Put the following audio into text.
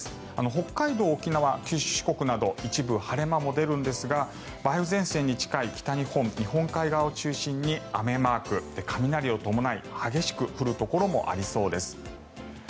北海道、沖縄、九州、四国など一部晴れ間も出るんですが梅雨前線に近い北日本日本海側を中心に雨マーク雷を伴い激しく降るところもありそうです。